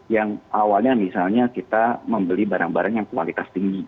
yang awalnya misalnya kita membeli barang barang yang kualitas tinggi